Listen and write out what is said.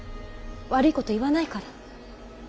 悪いこと言わないから。